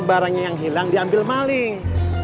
barangnya yang hilang diambil maling